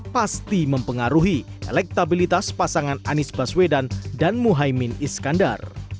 masih mempengaruhi elektabilitas pasangan anies baswedan dan muhaimin iskandar